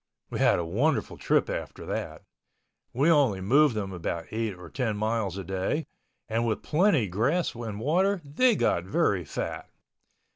We had a wonderful trip after that. We only moved them about eight or ten miles a day and with plenty grass and water they got very fat.